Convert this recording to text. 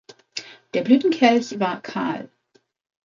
Der Blütenkelch war kahl.